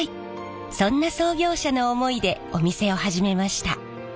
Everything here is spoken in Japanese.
そんな創業者の思いでお店を始めました。